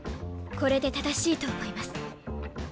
これで正しいと思います。